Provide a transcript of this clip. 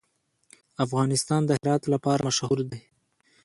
افغانستان د هرات لپاره مشهور دی.